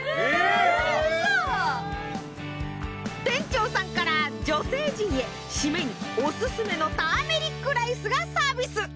店長さんから女性陣へしめにオススメのターメリックライスがサービス。